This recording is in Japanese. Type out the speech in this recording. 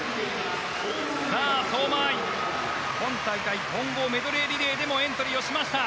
相馬あい、今大会混合メドレーリレーでもエントリーをしました。